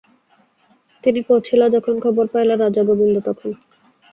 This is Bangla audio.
তিনি পৌছিলা যখনখবর পাইলা রাজা গৌবিন্দ তখন ।